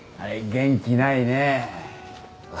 元気ないね。